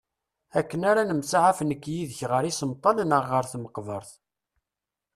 Akken ara nemsaɛaf nekk yid-k ɣer isemṭal neɣ ɣer tmeqbert.